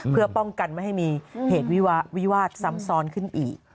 เพื่อป้องกันไม่ให้มีเหตุวิวาสซ้ำซ้อนขึ้นอีก